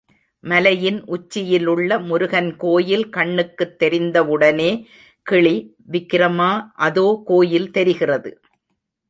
மலையின் உச்சியிலுள்ள முருகன் கோயில் கண்ணுக்குத் தெரிந்தவுடனே கிளி, விக்கிரமா, அதோ கோயில் தெரிகிறது.